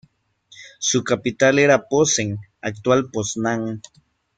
Su capital era Posen, actual Poznań.